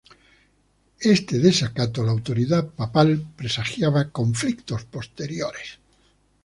Este desacato a la autoridad papal presagiaba conflictos posteriores.